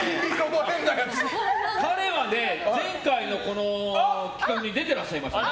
彼はね、前回の企画に出てらっしゃいました。